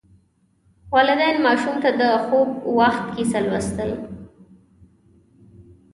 والدین ماشوم ته د خوب وخت کیسه لوستل.